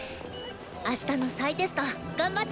あしたの再テスト頑張ってね！